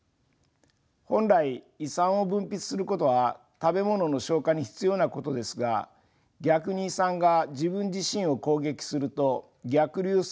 本来胃酸を分泌することは食べ物の消化に必要なことですが逆に胃酸が自分自身を攻撃すると逆流性